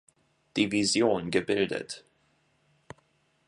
Division gebildet.